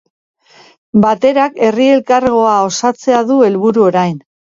Baterak Herri Elkargoa osatzea du helburu orain.